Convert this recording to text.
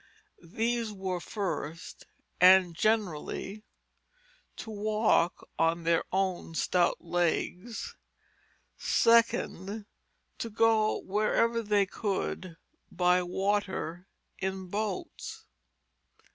These were first and generally to walk on their own stout legs; second, to go wherever they could by water, in boats.